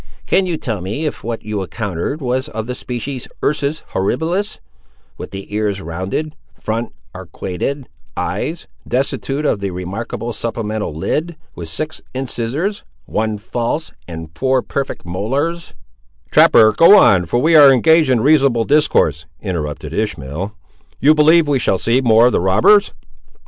"Can you tell me if what you encountered was of the species, ursus horribilis—with the ears, rounded—front, arquated—eyes—destitute of the remarkable supplemental lid—with six incisores, one false, and four perfect molares—" "Trapper, go on, for we are engaged in reasonable discourse," interrupted Ishmael; "you believe we shall see more of the robbers."